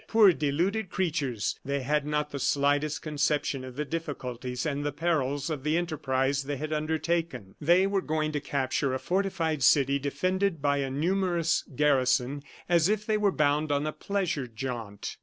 Poor deluded creatures! They had not the slightest conception of the difficulties and the perils of the enterprise they had undertaken. They were going to capture a fortified city, defended by a numerous garrison, as if they were bound on a pleasure jaunt.